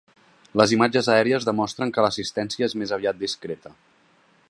Les imatges aèries demostren que l’assistència és més aviat discreta.